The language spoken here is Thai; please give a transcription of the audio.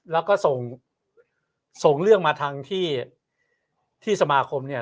แล้วก็ส่งส่งเรื่องมาทางที่สมาคมเนี่ย